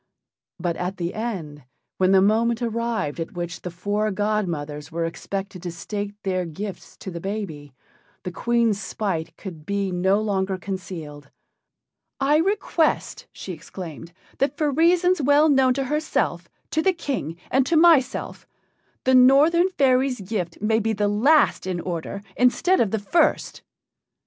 But at the end, when the moment arrived at which the four godmothers were expected to state their gifts to the baby, the Queen's spite could be no longer concealed. "I request," she exclaimed, "that for reasons well known to herself, to the King, and to myself, the Northern fairy's gift may be the last in order instead of the first."